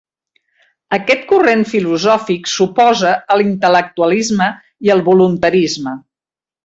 Aquest corrent filosòfic s'oposà a l'intel·lectualisme i el voluntarisme.